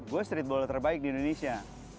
gue streetball terbaik di indonesia